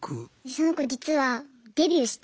その子実はデビューして。